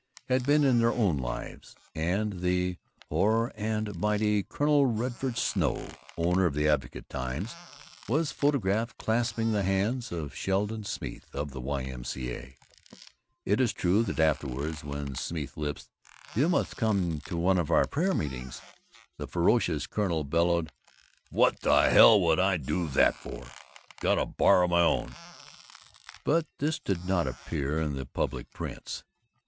had been in their own lives; and the hoar and mighty Colonel Rutherford Snow, owner of the Advocate Times, was photographed clasping the hand of Sheldon Smeeth of the Y.M.C.A. It is true that afterward, when Smeeth lisped, "You must come to one of our prayer meetings," the ferocious Colonel bellowed, "What the hell would I do that for? I've got a bar of my own," but this did not appear in the public prints.